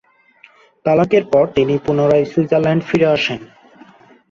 তালাকের পর তিনি পুনরায় সুইজারল্যান্ড ফিরে আসেন।